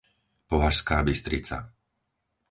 Považská Bystrica